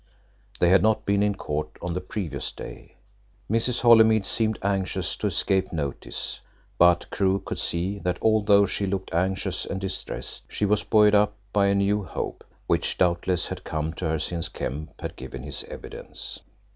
They had not been in court on the previous day. Mrs. Holymead seemed anxious to escape notice, but Crewe could see that although she looked anxious and distressed, she was buoyed up by a new hope, which doubtless had come to her since Kemp had given his evidence.